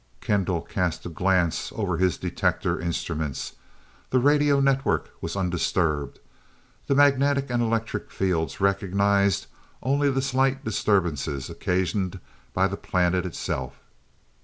Kendall cast a glance over his detector instruments. The radio network was undisturbed, the magnetic and electric fields recognized only the slight disturbances occasioned by the planet itself.